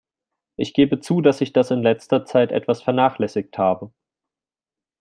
Ich gebe zu, dass ich das in letzter Zeit etwas vernachlässigt habe.